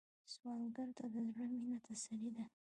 سوالګر ته د زړه مينه تسلي ده